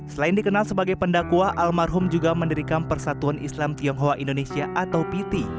selain dikenal sebagai pendakwah almarhum juga mendirikan persatuan islam tionghoa indonesia atau piti